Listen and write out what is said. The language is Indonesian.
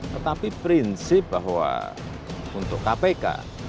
tetapi prinsip bahwa untuk kpk